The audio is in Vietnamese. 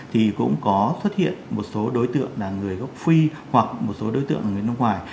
thì cũng có xuất hiện một số đối tượng là người gốc phi hoặc một số đối tượng người nước ngoài